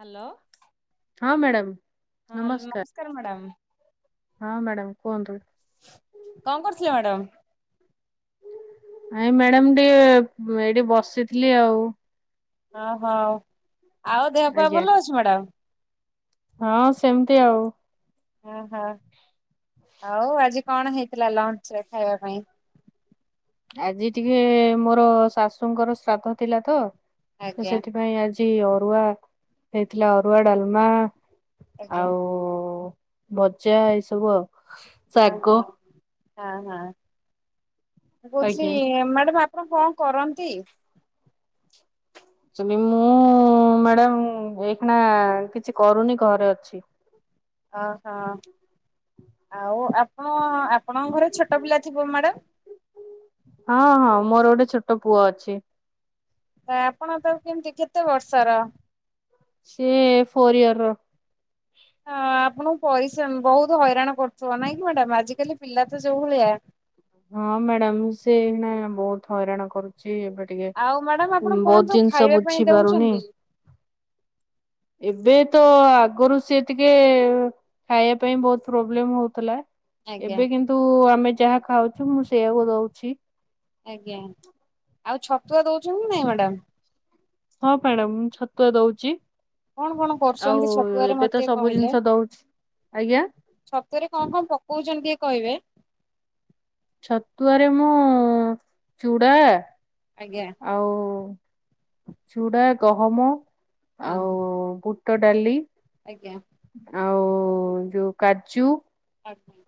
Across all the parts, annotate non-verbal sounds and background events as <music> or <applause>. Hello. ହଁ madam ହଁ ନମସ୍କାର। ନମସ୍କାର ମ୍ୟାଡ଼ାମ୍। ହଁ ମ୍ୟାଡମ କୁହନ୍ତୁ? କଣ କରୁଥିଲେ ମ୍ୟାଡାମ ନାଇ ମ୍ୟାଡ଼ମ ଟିକେ ଏଇଠି ବସିଥିଲି ଆଉ। ଓହୋ ଆଉ ଦେହପା ଆଜ୍ଞା ଭଲ ଅଛି ମ୍ୟାଡ଼ମ? ହଁ ସେମିତି ଆଉ ଓହୋ ଆଉ ଆଜି କଣ ହେଇଥିଲା ଲଞ୍ଚ ରେ ଖାଇବା ପାଇଁ? ଆଜି ଟିକେ ମୋର ଶାଶୁଙ୍କର ଶ୍ରାଦ୍ଧ ଥିଲା ତ ଆଜ୍ଞା। ସେଥିପାଇଁ ଆଜି ଟି ଅରୁଆ ହେଇଥିଲା ଅରୁଆ ଡାଲମା ଆଜ୍ଞା ଆଉ ଭଜା ଏଇ ସବୁ ଆଉ। ଓହ ଶାଗ ହଁ ହଁ ଆଜ୍ଞା କହୁଥିଲି ମ୍ୟାଡ଼ାମ ଆପଣ କଣ କରନ୍ତି? ଚୁଲି ମୁଁ ମ୍ୟାଡ଼ାମ ଏଇ ଖଣାା କିଛି କରୁନି ଘରେ ଅଛି। ଓହୋ ଆଉ ଆପଣ ଆପଣଙ୍କ ଘରେ ଛୋଟ ପିଲା ଥିବ ମ୍ୟାଡ଼ାାମ? ହଁ ହଁ ମୋର ଗୋଟେ ଛୋଟ ପୁଅ ଅଛି। ଆପଣ ତକୁ କେମିତି କେତେ ବର୍ଷର? ସେ ପରିବାର ହଁ ଆପଣଙ୍କୁ ପରିସାନ ବହୁତ ହଇରାଣ କରୁଥିବ ନାଇଁ କି ମ୍ୟାଡ଼ାାମ ଆଜିିକାଲି ପିଲା ତ ଯୋଉ ଭଳିଆ। ହଁ ମ୍ୟାଡାମ ସେ ଏନା ବହୁତ ହଇରାଣ କରୁଛି। ଏବେ- ଟିକେ ଆଉ ମ୍ୟାଡାମ ଆପଣ କଣ ବହୁତ ସବୁ ଜିନିଷ ଖାଇବା ପାଇଁ ବୁଝି ପାରୁନି। ଦଉଛନ୍ତି? ଏବେ ତ ଆଗରୁ ସିଏ ଟିକେ ଖାଇବା ପାଇଁ ବହୁତ ପ୍ରୋବ୍ଲେମ ହଉଥିଲା। ଆଜ୍ଞା ଏବେ କିନ୍ତୁ ଆମେ ଯାହା ଖାଉଛୁ ମୁଁ ସେଇଆକୁ ଦଉଛି। ଆଜ୍ଞା ଆଉ ଛତୁଆ ଦଉଛନ୍ତି ନାଇଁ ମ୍ୟାଡ଼ାମ? ହଁ ମ୍ୟାଡ଼ାମ ମୁଁ ଛତୁଆ ଦଉଛି। କଣ କଣ କରୁଛନ୍ତି ଆଉ ଛତୁଆରେ ଏବେ ମତେ ତ ଟିକେ ସବୁ ଜିନିଷ ଦଉଛି ଆଜ୍ଞା। ଛତୁରେ କଣ କଣ ପକଉଛନ୍ତି କିଏ କହିବେ? ଛତୁଆରେ ମୁଁ ଚୁଡା ଆଜ୍ଞା। ଆଉ ଚୁଡ଼ା ଗହମ ଆଉୁ ହଁ ବୁ ବୁଟ ଡାଲି। ଆଜ୍ଞା। ଆଉ ଯଉ କାଜୁ। ଆଜ୍ଞା।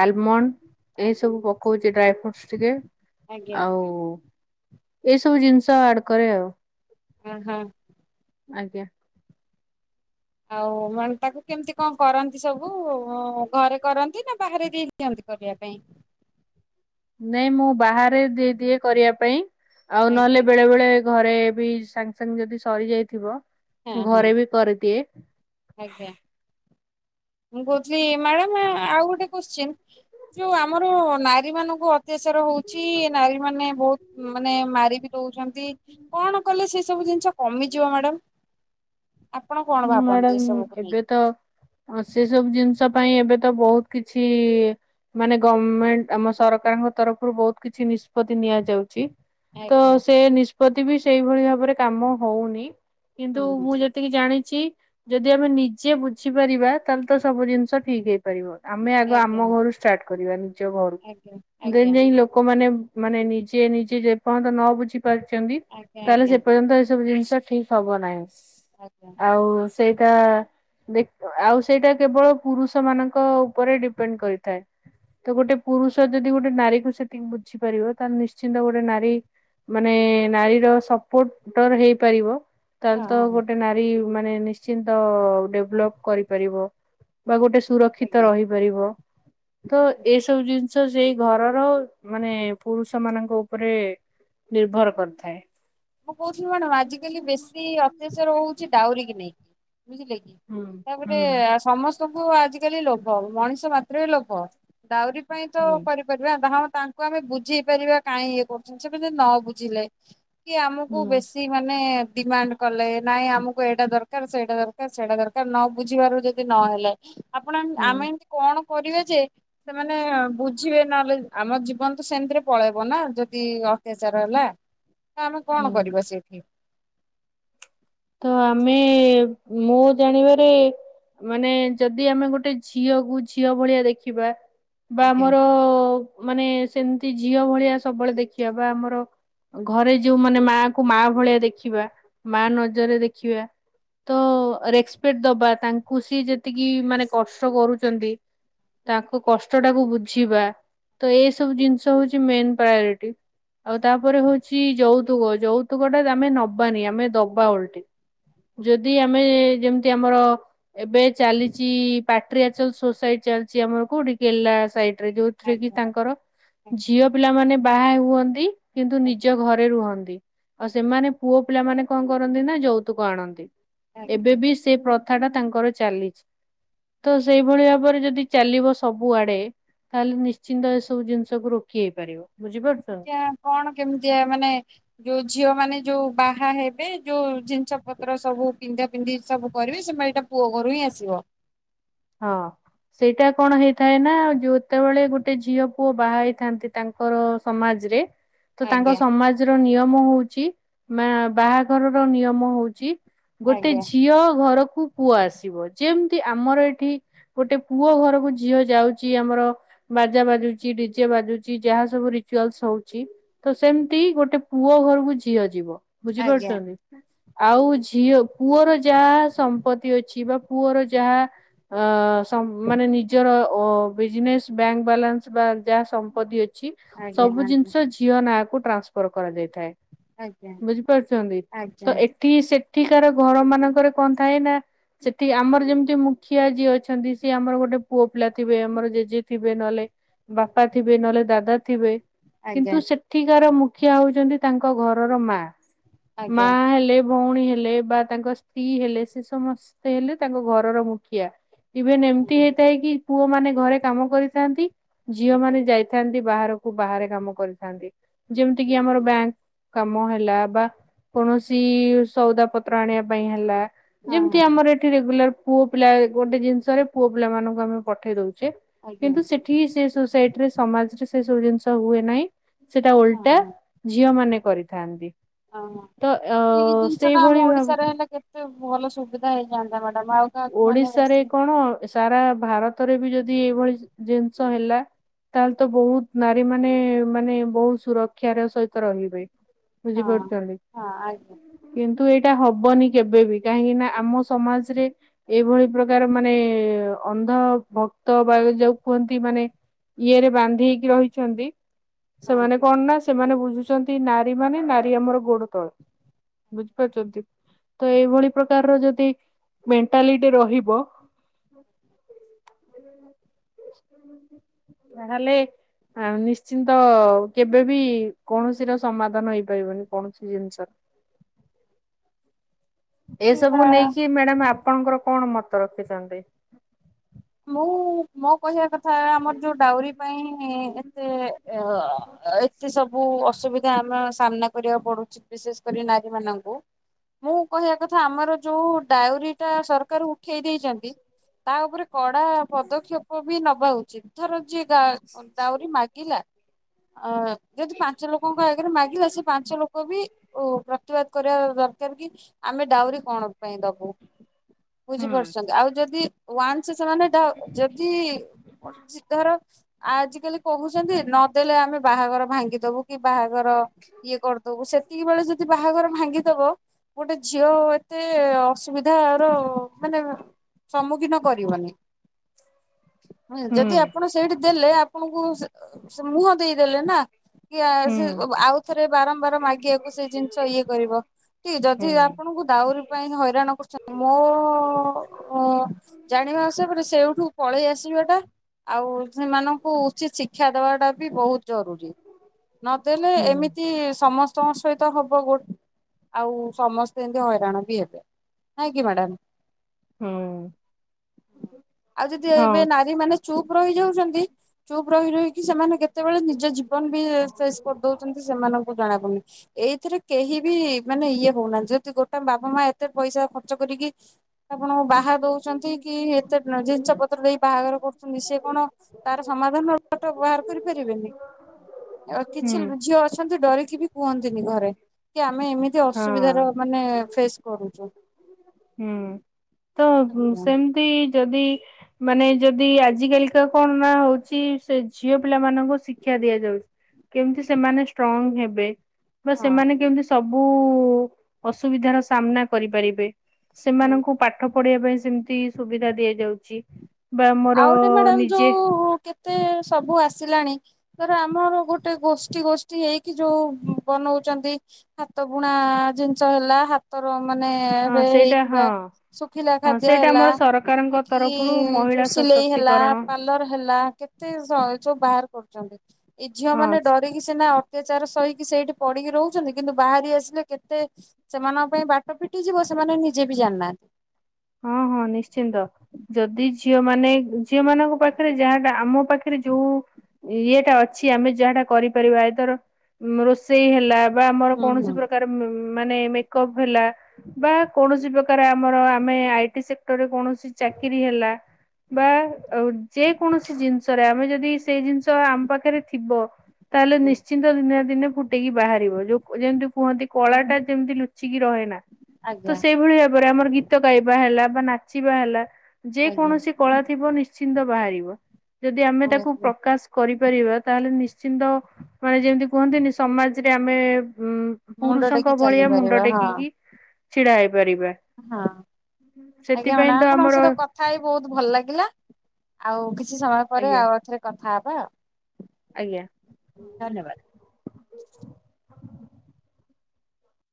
ଆଲମଣ୍ଡ ଆଜ୍ଞା ଏ ସବୁ ପକଉଛି ଡ୍ରାଇ ଫ୍ରୁଟ୍ସ ଟିକେ। ଆଜ୍ଞା ଆଉ ଏଇ ସବୁ ଜିନିଷ ଆଡ୍ କରେ ଆଉ। ଉଁ ହୁଁ। ଆଜ୍ଞା। ଆଉ ମାନେ ତାକୁ କେମିତି କଣ କରନ୍ତି ସବୁ ଘରେ କରନ୍ତି ନା ବାହାରେ ଦେଇ ଦିଅନ୍ତି କରିବା ପାଇଁ? ନାଇଁ ମୁଁ ବାହାରେ ଦେଇଦିଏ କରିବା ପାଇଁ। ଆଉ ଆଜ୍ଞା ନହେଲେ ବେଳେ ବେଳେ ଘରେ ବି ସାଙ୍ଗେ ସାଙ୍ଗେ ଯଦି ସରି ଯାଇଥିବ ହଁ ହଁ ଘରେ ବି କରିଦିଏ। ଆଜ୍ଞା। ମୁଁ କହୁଥିଲି ମ୍ୟାଡାମ ଆଉ ଗୋଟେ କୋଶ୍ଚିନ୍ ଯୋଉ ଆମର ନାରୀ ମାନଙ୍କୁ ଅ ଅତ୍ୟାଚାର ହଉଛି ନାରୀ ମାନେ ବହୁତ ମାନେ ମାରି ବିି ରଉଛନ୍ତି। କଣ କଲେ ସେ ସବୁ ଜିନିଷ କମିଯିବ ମ୍ୟାଡାମ ଆପଣ କଣ ଭାବନ୍ତି? ମ୍ୟାଡାମ ଏସବୁକୁ ଏବେ ନେଇକି? ତ ସେ ସବୁ ଜିନିଷ ପାଇଁ ଏବେ ତ ବହୁତ କିଛି ମାନେ ଗମେଣ୍ଟ ଆମ ସରକାରଙ୍କ ତରଫରୁ ବହୁତ କିଛି ନିଷ୍ପତି ନିଆଯାଉଛି। ତ ଆଜ୍ଞା ସେ ନିଷ୍ପତ୍ତି ବି ସେଇଭଳି ଭାବରେ କାମ ହଉନି। କିନ୍ତୁ ହୁଁ ହୁଁ ମୁଁ ଯେ ଯେତିକି ଜାଣିଛି ଯଦି ଆମେ ନିଜେ ବୁଝିପାରିବା ତାହେଲେ ତ ସବୁ ଜିନିଷ ଠିକ୍ ହେଇ ପାରିବ ଆମେ ଆଗ ଆଜ୍ଞା ଆମ ଘରୁ ଷ୍ଟାର୍ଟ କରିବା ନିଜ ଘରୁ ଆଜ୍ଞା ଦେନ ଆଜ୍ଞା ଯାଇ ଲୋକମାନେ ମାନେ ନିଜେ ନିଜେ ଯେ ପର୍ଯ୍ୟନ୍ତ ନ ବୁଝି ପାରୁିଛନ୍ତି, ଆଜ୍ଞା ତାହେଲେ ଆଜ୍ଞା ସେ ପର୍ଯ୍ୟନ୍ତ ଏସବୁ ଜିନିଷ ଠିକ ହବ ନାଇଁ। ଆଜ୍ଞା। ଆଉ ସେଇଟା ଦେ ଆଉ ସେଇଟା କେବଳ ପୁରୁଷମାନଙ୍କ ଉପରେ ଡିପେଣ୍ଡ କରିଥାଏ। ତ ଗୋଟେ ପୁରୁଷ ଯଦି ଗୋଟେ ନାରୀ କୁ ସେତିକି ବୁଝିପାରିବ, ତାହେଲେ ନିଶ୍ଚିନ୍ତ ଗୋଟେ ନାରୀ ମାନେ ନାରୀର ସପୋର୍ଟର ହେଇପାରିବ ତାହେଲେ ହଁ ତ ହଁ ଗୋଟେ ନାରୀ ମାନେ ନିଶ୍ଚିତ ଡେବଲପ କରିପାରିବ। ବା ଗୋଟେ ସୁରକ୍ଷିତ ଆଜ୍ଞା। ରହି ପାରିବ ତ ଏସବୁ ଜିନି ନିଷ ସେଇ ଘରର ମାନେ ପୁରୁଷ ମାନଙ୍କ ଉପରେ ନିର୍ଭର କରିଥାଏ। ମୁଁ କହୁଥିଲି କଣ ଆଜିକାଲି ବେଶୀ ଅତ୍ୟାଚାର ହଉଛି ଡାଉରୀ କି ନେଇକି ବୁଝିଲେ କି? ହୁଁ ତାପରେ ହୁଁ ଆ ସମସ୍ତଙ୍କୁ ଆଜିକାଲି ଲୋଭ ମଣିଷ ମାତ୍ରେ ଲୋଭ ଡାଉରି ପାଇଁ ତ ହୁଁ କ ହଁ ତାଙ୍କୁ ଆମେ ତାଙ୍କୁ ବୁଝିପାରିବା କାଇହିଁ ଇଏ କରୁଛନ୍ତି ସେମାନେ ନ ବୁଝିଲେ? କି ଆମକୁ ହୁଁ ବେଶୀ ସେ ମାନେ ଡିମାଣ୍ଡ କଲେ ନାଇଁ ଆମକୁ ଏଇଟା ଦରକାର ସେଇଟା ଦରକାର ସେଟା ଦରକାର ନ ବୁଝିବାରୁ ଯଦି ନହେଲେ ଆପଣ ହୁଁ ଆମେ ଏମତି କଣ କରିବେ ଯେ ସେମାନେ ବୁଝିବେ ନହେଲେ ଆମ ଜୀବନ ତ ସେମିତିରେ ପଳେଇବ ନା ଯଦି ଅତ୍ୟାଚାର ହେଲା? ତ ଆମେ କଣ ହୁଁ। କରିବା ସେଇଠି? ତ ଆମେ ମୁଁ ଜାଣିବାରେ ମାନେ ଯଦି ଆମେ ଗୋଟେ ଝିଅକୁୁ ଝିଅ ଭଳିଆ ଦେଖିବା ବା ଆଜ୍ଞା। ଆମର ମାନେ ସେମିତି ଝିଅ ଭଳିଆ ସବୁବେଳେ ଦେଖିବା ବା ଆମର ଘରେ ଯୋଉମାନେ ମା ଙ୍କୁ ମା ଭଳିଆ ଦେଖିବା ମା ନଜରରେ ଦେଖିବା। ତ ରେସପେକ୍ଟ ଦବା ତାଙ୍କୁ ସି ଯେତିକି ମାନେ କଷ୍ଟ କରୁଛନ୍ତି ତାଙ୍କ କଷ୍ଟ ଟାକୁ ବୁଝିବା ତ ଏଇ ସବୁ ଜିନିଷ ହଉଛି ମେନ୍ ପ୍ରାୟୋରିଟି। ଆଉ ତାପରେ ହଉଛି ଯୌତୁକ ଯୌତୁକ ଟା ଆମେ ନବାନି ଆମେ ଦବା ଉଲ୍ ଯଦି ଆମେ ଯେମିତି ଆମର ଏବେ ଚାଲିଛି ପାଟ୍ରିଆଚଲ ସୋସାଇଟି ଚାଲିଛି ଆମର କୋଉଠି କେରେଲା ସାଇଡ ରେ ଯୋଉ ଏଥିରେ କି ଆଜ୍ଞା ତାଙ୍କର ଆଜ୍ଞା ଝିଅ ପିଲାମାନେ ବାହା ହୁଅନ୍ତି କିନ୍ତୁ ନିଜ ଆଜ୍ଞା ଘରେ ରୁହନ୍ତି ଆଉ ସେମାନେ ପୁଅ ପିଲାମାନେ କଣ କରନ୍ତି ନା ଯୌତୁକ ଆଣନ୍ତି। ଏବେ ଆଜ୍ଞା। ବି ସେ ପ୍ରଥାଟା ତାଙ୍କର ଚାଲିଛି। ତ ସେଇଭଳି ଭାବରେ ଯଦି ଚାଲିବ ସବୁଆଡେ ତାହେଲେ ନିଶ୍ଚିନ୍ତ ଏସବୁ ଜିନିଷକୁୁ ରୋକି ହେଇପାରିବ ବୁଝିପାରୁଛନ୍ତି? ଏଇଟା କଣ କେମିତିକା ମାନେ? ଯୋଉ ଝିଅ ମାନେ ଯୋଉ ବାହା ହେବେ ଯୋଉ ଜିନିଷ ପତ୍ର ସବୁ ପିନ୍ଧା ପିନ୍ଧି ସବୁ କରିବେ ସେମାନେ ଏଇଟା ପୁଅ ଘରୁ ହିଁ ଆସିବ। ହଁ ସେଇଟା କଣ ହେଇଥାଏ ନା ଯ ଯେତେବେଳେ ଗୋଟେ ଝିଅ ପୁଅ ବାହା ହେଇଥାନ୍ତି ତାଙ୍କ ଙ୍କର ସମାଜରେ ତ ତାଙ୍କ ଆଜ୍ଞା। ସମାଜର ନିୟମ ହଉଛି ମା ବାହାଘରର ନିୟମ ହଉଛି ଗୋଟେ ଆଜ୍ଞା। ଝିଅ ଘରକୁ ପୁଅ ଆସିବେ ଯେମତି ଆମର ଏ ଏଠି ଗୋଟେ ପୁଅ ଘରକୁ ଝିଅ ଯାଉଛି ଆମର ବାଜା ବାଜୁଚି ଡିଜେ ବାଜୁଛି ଯାହା ସବୁ ରିଚୁଆଲସ ହଉଛି ତ ସେମତି ଗୋଟେ ପୁଅ ଘରକୁ ଝିଅ ଯିବ ଆଜ୍ଞା। ବୁଝିପାରୁଛନ୍ତି? ଆଉ ଝିଅ ପୁଅର ଯାହା ସମ୍ପତ୍ତି ଅଛି ବା ପୁଅର ଯାହା ଅ ମାନେ ନିଜର ଅ ବିଜନେସ୍ ବ୍ୟାଙ୍କ ବାଲାନ୍ସ ବା ଯାହା ସମ୍ପତି ଅଛି ଆଜ୍ଞା ସବୁ ଆଜ୍ଞା ଜିନିଷ ଝି ଝିଅ ନାଁ ଙ୍କୁ ଟ୍ରାନ୍ସଫର କରାଯାଇଥାଏ ଆଜ୍ଞା ବୁଝିପାରୁଛନ୍ତି ଆଜ୍ଞା ତ ଏଠି ଏଠି ସେଠିକାର ଘର ମାନଙ୍କରେ କଣ ଥାଏ ନା ସେଠି ଆମର ଯେମିତି ମୁ ମୁଖିଆ ଯିଏ ଅଛନ୍ତି ସିଏ ଆମର ଗୋଟେ ପୁଅ ପିଲା ଥିବେ ଆମର ଜେଜେ ଥିବେ ନହେଲେ ବାପା ଥିବେ ନହେଲେ ଦାଦା ଥିବେ ଆଜ୍ଞା କିନ୍ତୁ ସେଠିକାର ମୁଖିଆ ହଉଛନ୍ତି ତାଙ୍କ ଘରର ମା ଆଜ୍ଞା ମା ହେଲେ ଭଉଣୀ ହେଲେ ବା ତାଙ୍କ ସ୍ତ୍ରୀ ହେଲେ ସେ ସମସ୍ତେ ହେଲେ ତାଙ୍କ ଘରର ମୁଖିଆ। ଇଭେନ ଏମିତି ହଁ ହେଇଥାଏ କି ପୁଅ ମାନେ ଘରେ କାମ କରିଥାନ୍ତି ଝିଅ ଆଜ୍ଞା। ମାନେ ଯାଇ ଥା ବାହାରକୁ ବାହାରେ କାମ କରିଥାନ୍ତି ଯେମିତି କି ଆମର ହଁ ବ୍ୟାଙ୍କ। କାମ ହେଲା ବା କୌଣସି ସଉଦା ପତ୍ର ଆଣିବା ପାଇଁ ହେଲା। ଯେମିତି ହଁ ଆମର ଏଠି ରେଗୁଲାର ପୁଅ ପିଲା ଗୋଟେ ଜିନିଷରେ ପୁଅ ପିଲା ମାନଙ୍କୁ ଆମେ ପଠେଇ ଦଉଛେ। ଆଜ୍ଞା କିନ୍ତୁ ହଁ ସେଠିକି ସେ ସୋସାଇଟିରେ ସମାଜରେ ସେ ସବୁ ଜିନିଷ ହୁଏ ନାହିଁ। ସେଟା ଓଲଟା ଝିଅ ମାନେ କରିଥାନ୍ତି। ଓହୋ ତ ଅ ଏଇ ଜିନିଷ ଟା ସେଇଭଳି ଆମ ଭାବ ଓଡିଶାରେ ହେଲେ କେତେ ଭଲ ସୁବିଧା ହେଇଯାଆନ୍ତା ମ୍ୟାଡାମ ଆଉ। କାହାକୁ ମାନେ ଓଡିଶାରେ ବେଶୀ କଣ ସାରା ଭାରତରେ ବି ଯଦି ଏଇଭଳି ଜିନିଷ ହେଲା। ତାହେଲେ ତ ବହୁତ୍ ନାରୀମାନେ ମାନେ ବହୁତ ସୁରକ୍ଷାର ସହିତ ରହିବେ। ହଁ ବୁଝିପାରୁଚନ୍ତି? ହଁ ଆଜ୍ଞା କିନ୍ତୁ ଏଇଟା ହବନି କେବେବି କାହିଁକି ନା ଆମ ସମାଜରେ ଏଇଭଳି ପ୍ରକାର ମାନେ ଅନ୍ଧ ଭକ୍ତ ବା ଯାହାକୁ କୁହନ୍ତି ମାନେ ଇଏରେ ବାନ୍ଧି ହେଇକି ରହିଛନ୍ତି ହଁ ସେମାନେ କଣ ନା ସେମାନେ ବୁଝୁଛନ୍ତି ନାରୀମାନେ ନାରୀ ଆମର ଗୋଡ ତଳର। ବୁଝିପାରୁଚନ୍ତି ତ ଏଇଭଳି ପ୍ରକାରର ଯଦି ଟାଲୀଟି ରହିବ। ତାହେଲେ? ଆ ନିଶ୍ଚିନ୍ତ କେବେ ବି କୌଣସିର ସମାଧାନ ହେଇପାରିବନି କୌଣ ଠି ଜିନଷର। ସେଇଆ ଏସବୁ ନେଇକି ମ୍ୟାଡାମ ଆପଣଙ୍କର କଣ ମତ ରଖିଥାନ୍ତେ? ମୁଁ ମୋ କହିବା କଥା ଆମର ଯୋଉ ଡାଉରୀ ପାଇଁ ଏତେ ଅ ଏତେ ସବୁ ଅସୁବିଧା ଆମେ ସାମ୍ନା କରିବାକୁ ପଡୁଚି ବିଶେଷ କରି ନାରୀମାନଙ୍କୁ। ମୁଁ କହିବା କଥା ଆମର ଯୋଉ ଡାଉରୀଟା ସରକାର ଉଠେଇ ଦେଇଚନ୍ତି ତା ଉପରେ କଡା ପଦକ୍ଷେପ ବି ନବା ଉଚିତ ଧର ଯିଏ ଗା ଡାଉରୀ ମାଗିଲା ଆ ଯଦି ପାଞ୍ଚ ଲୋକଙ୍କ ଆଗରେ ମାଗିଲା ସେ ପାଞ୍ଚ ଲୋକ ବି ଓ ପ୍ରତିବାଦ କରିବା ଦରକାର କି ଆମେ ଡାଉରୀ କଣ ପାଇଁ ଦବୁ। ବୁଝି ହୁଁ ପାରୁଚନ୍ତି ଆଉ ଯଦି ୱାନ୍ସ ସେମାନେ ଡା ଯଦି ସେ ଧର ଆଜିକାଲି କହୁଚନ୍ତି ନଦେଲେ ଆମେ ବାହାଘର ଭାଙ୍ଗିଦବୁ। କି ବାହାଘର ଇଏ କରଦବୁ ସେତିକି ବେଳେ ଯଦି ବାହାଘର ଭାଙ୍ଗିଦବ ଗୋଟେ ଝିଅ ଏତେ ଅସୁବିଧାର ମାନେ ସମ୍ମୁଖୀନ କରିବନି ଯଦି ହୁଁ ଆପଣ ସେଇଠି ଦେଲେ ଆପ ଆପଣଙ୍କୁ ସେ ଏ ମୁହଁ ଦେଇଦେଲେ ନା। କି ଆ ହୁଁ ସେ ବ ବ ଆଉଥରେ ବାରମ୍ବାର ମାଗିଆକୁ ସେ ଜିନିଷ ଇଏ କରିବ। କି ଯଦି ହୁଁ ଆପଣଙ୍କୁ ଦାଉରୀ ପାଇଁ ହଇରାଣ କରୁଚନ୍ତି ମୋ <inaudible> ଜାଣିବା ଆସିବା ପରେ ସେଇଠୁ ପଳେଇ ଆସିବାଟା ଆଉ ସେମାନଙ୍କୁ ଉଚିତ ଶିକ୍ଷା ଦବାଟା ବି ବହୁତ ଜରୁରୀ। ନଦେଲେ ହୁଁ ଏମିତି ସମସ୍ତେ ତୋ ସହିତ ହବ ଗୋଟ୍ ଆଉ ସମସ୍ତେ ଏମିନ୍ତି ହଇରାଣ ବି ହେବେ ନାଇଁ କି ମ୍ୟାଡାମ୍। ହୁଁ। ଆଉ ଯଦି ଏବେ ନାରୀମାନେ ଚୁପ୍ ରହିଯାଉଚନ୍ତି ଚୁପ୍ ରହି ରହିକି ସେମାନେ କେତେବେଳେ ନିଜ ଜୀବନ ବି ଶେଷ କରିଦଉଚନ୍ତି ସେମାନଙ୍କୁ ଜଣା ପଡୁନି। ଏଇଥିରେ କେହି ବି ମାନେ ଇଏ ହଉନାହାନ୍ତି ଯଦି ଗୋଟେ ବାପା ମା ଏତେ ପଇସା ଖର୍ଚ୍ଚ କରିକି <inaudible> ଆପଣ ବାହା ଦଉଚନ୍ତି କି ଏତେ ଉଁ ଜିନିଷ ପତ୍ର ଦେଇ ବାହାଘର କରୁଚନ୍ତି ସିଏ କଣ ତାର ସମାଧାନର ବାଟ ବାହାର କରିପାରିବେନି? ଆଉ ହୁଁ କିଛି ଝିଅ ଅଛନ୍ତି ଡରିକି ବି କୁହନ୍ତିନି ଘରେ। କି ଆମେ ଏମିତି ହଁ ଅସୁବିଧାର ମାନେ ଫେସ୍ କରୁଚୁ। ହୁଁ ତ ଆଜ୍ଞା। ସେମତି ଯଦି ମାନେ ଯଦି ଆଜ କାଲିକା କଣ ନା ହୋଉଚି ସେ ଝିଅ ପିଲାମାନଙ୍କୁ ଶିକ୍ଷା ଦିଆଯାଉ। କେମ୍ତି ସେମାନେ ଷ୍ଟ୍ରଙ୍ଗ ହେବେ ବା ହଁ ସେମାନେ କେମତି ସ ବୁ ଅସୁବିଧାର ସାମ୍ନା କରିପାରିବେ ହଁ। ସେମାନଙ୍କୁ ପା ଠ ପଢିବା ପାଇଁ ସେମ୍ତି ସୁବିଧା ଦିଆଯାଉଚି ବା ଆମର ନିଜେ ତେ ସବୁ ଆସିଲାଣି। ଫେରେ ଆମର ଗୋଟେ ଗୋଷ୍ଠୀ ଗୋଷ୍ଠୀ ହେଇକି ଯୋଉ ବନୋଉଚନ୍ତି। ହାତ ବୁଣା ଜିନିଷ ହେଲା ହାତର ମାନେ ହଁ ଏବେ ସେଇଟା ହେଇଥିବା ହଁ। ଶୁଖିଲା ହଁ ଖାଦ୍ୟ ସେଇଟା ହେଲା ଆମର ସରକାରଙ୍କ କି ତରଫରୁ ଯୋଉ ମହିଳା ସିଲେଇ ହେଲା ସଶକ୍ତିକରଣ ପାଲର୍ ହେଲା କେତେ ସ ସବୁ ବାହାର କରୁଚନ୍ତି। ଏଇ ଝିଅ ହଁ ମାନେ ଡରି ସିନା ଅତ୍ୟାଚାର ସହିକି ସେଇଠି ପଡିକି ରହୁଛନ୍ତି କିନ୍ତୁ ବାହାରି ଆସିଲେ କେତେ ସେମାନଙ୍କ ପାଇଁ ବାଟ ଫିଟି ଯିବ ସେମାନେ ନିଜେ ବି ଜାଣିନାହା ହଁ ହଁ ନିଶ୍ଚିନ୍ତ। ଯୋଦି ଝିଅ ମାନେ ଝିଅ ମାନଙ୍କ ପାଖରେ ଯାହାଟା ଆମ ପାଖରେ ଯୋଉ ଇଏଟା ଅଛି ଆମେ ଯାହାଟା କରିପାରିବା ଏଥର ରୋଷେଇ ହେଲା ବା ଆମର ହୁଁ କୌଣସି ହୁଁ ପ୍ରକାର ମାନେ ମେକ୍ଅପ୍ ହେଲା ବା କୌଣସି ପ୍ରକାର ଆମର ଆମେ ଆଇଟି ସେକ୍ଟରରେ କୌଣସି ଚାକିର ହେଲା। ବା ଯେ କୌଣସି ଜିନ୍ଷରେ ଆମେ ଯଦି ସେଇ ଜିନ୍ଷ ଆମ ପାଖରେ ଥିବ। ତାହେଲେ ନିଶ୍ଚି ଦିନେ ନା ଦିନେ ଫୁଟେଇକି ବାହାରିବ ଯୋଉ ଯେମିତି କୁହନ୍ତି କଳା ଟା ଯେମ୍ତି ଲୁଚିକି ରହେ ନା। ତ ଆଜ୍ଞା। ଆଜ୍ଞା ସେଇଭଳି ଭାବରେ ଆମର ଗୀତ ଗାଇବା ହେଲା ବା ନାଚିବା ହେଲା ଯେ ଆଜ୍ଞା କୌଣସି କଳା ଥିବ ନିଶ୍ଚିନ୍ତ ବାହାରିବ ଯଦି ଆମେ ତାକୁ ଆଜ୍ଞା। ପ୍ରକାଶ୍ କରିପାରିବା ତାହେଲେ ନିଶ୍ଚିନ୍ତ ମାନେ ଯେମିତି କୁହନ୍ତିନି ସମାଜରେ ଆମେ ଉ ମୁଣ୍ଡ ଟେକି ପୁରୁଷଙ୍କ ଭଳିଆ ମୁଣ୍ଡ ଚାଲିପାରିବା ହଁ ଟେକିକି ଛିଡା ହେଇପାରିବା। ହଁ ଆଜ୍ଞା ସେଥିପାଇଁ ତ ଆପଣ ଙ୍କ ଆମର ସହିତ କ କଥା ହେଇ ବୋହୁତ୍ ଭଲ ଲାଗିଲା, ଆଉ କିଛି ସମୟ ପରେ ଆଜ୍ଞା ଆଉ ଏଥରେ କଥା ହବା ଆଉ। ଆଜ୍ଞା। ଧନ୍ୟବାଦ୍।